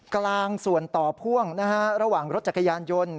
กลางส่วนต่อพ่วงระหว่างรถจักรยานยนต์